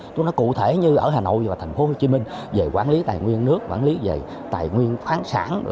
tôi nói cụ thể như ở hà nội và thành phố hồ chí minh về quản lý tài nguyên nước quản lý về tài nguyên khoáng sản